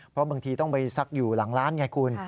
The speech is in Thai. เพราะบางทีต้องไปซักอยู่หลังร้านไงคุณ